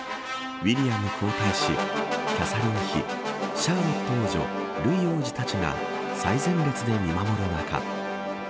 ウィリアム皇太子キャサリン妃、シャーロット王女ルイ王子たちが最前列で見守る中